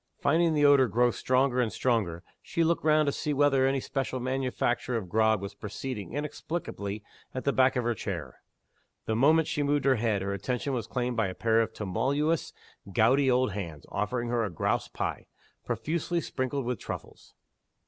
Finding the odor grow stronger and stronger, she looked round to see whether any special manufacture of grog was proceeding inexplicably at the back of her chair. The moment she moved her head, her attention was claimed by a pair of tremulous gouty old hands, offering her a grouse pie, profusely sprinkled with truffles.